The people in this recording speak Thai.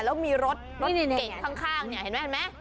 แล้วมีรถเก่งข้างเนี่ยเห็นไหม